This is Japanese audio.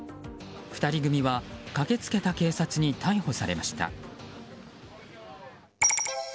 ２人組は駆けつけた警察に逮捕されました。